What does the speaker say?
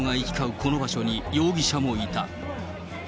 この場所に容疑者もいた。